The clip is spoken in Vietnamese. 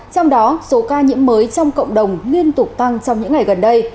trong đó số ca nhiễm mới trong cộng đồng liên tục tăng trong những ngày gần đây